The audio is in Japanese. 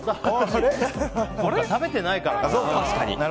そっか、食べてないからか。